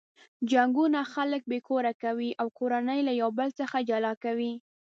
جنګونه خلک بې کوره کوي او کورنۍ له یو بل څخه جلا کوي.